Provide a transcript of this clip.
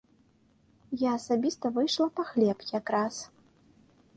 Я асабіста выйшла па хлеб якраз.